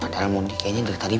padahal mondi tuh gak ada apaan sih